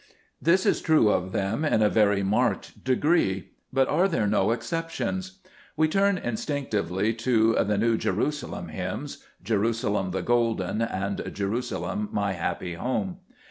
This is true of them in a very marked degree ; but are there no excep tions? We turn instinctively to the "New Jerusalem hymns," — "Jerusalem the golden" and "Jerusalem, my happy home."